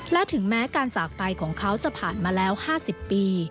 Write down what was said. และถึงแม้การจากไปของเขาจะผ่านมาแล้ว๕๐ปี